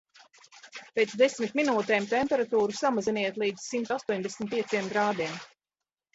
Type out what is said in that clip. Pēc desmit minūtēm temperatūru samaziniet līdz simt astoņdesmit pieciem grādiem.